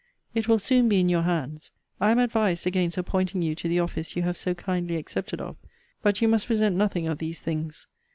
It will soon be in your hands. I am advised against appointing you to the office you have so kindly accepted of: but you must resent nothing of these things.